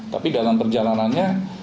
tapi dalam perjalanannya